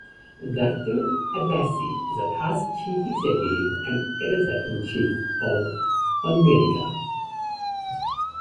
Doctor Abbasi is a past chief executive and editor-in-chief of OnMedica.